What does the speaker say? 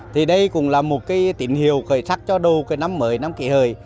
thì đây cũng là một tỉnh hiệu khởi sắc cho đầu năm mới năm kỳ hời